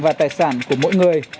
và tài sản của mỗi người